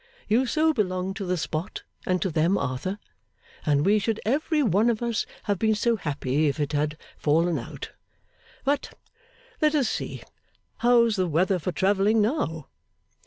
You so belong to the spot, and to them, Arthur, and we should every one of us have been so happy if it had fallen out but, let us see how's the weather for travelling now?